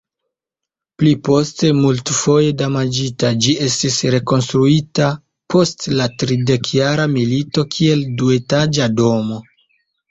Pli poste multfoje damaĝita, ĝi estis rekonstruita post la Tridekjara Milito kiel duetaĝa domo.